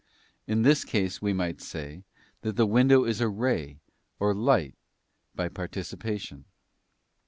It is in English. In this case we might say that the window isa ray or light by participation.